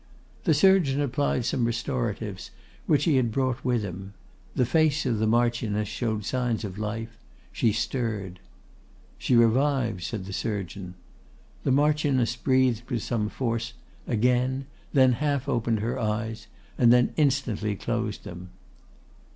The surgeon applied some restoratives which he had brought with him. The face of the Marchioness showed signs of life; she stirred. 'She revives,' said the surgeon. The Marchioness breathed with some force; again; then half opened her eyes, and then instantly closed them.